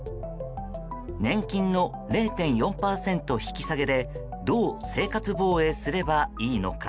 年金の０．４％引き下げでどう生活防衛すればいいのか。